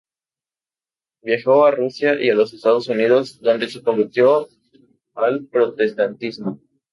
Viajó a Rusia y a los Estados Unidos, donde se convirtió al protestantismo.